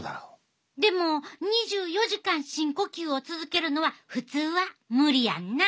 でも２４時間深呼吸を続けるのは普通は無理やんな。